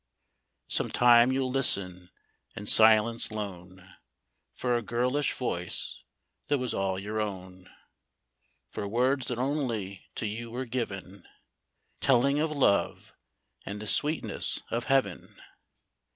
Sometime you '11 listen in silence lone For a girlish voice that was all your own ; For words that only to you were given. Telling of love and the sweetness of heaven.